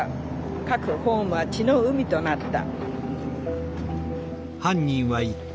各ホームは血の海となった」。